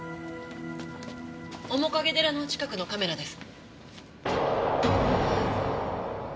面影寺の近くのカメラです。